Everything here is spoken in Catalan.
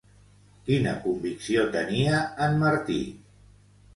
Quina convicció tenia en Martí?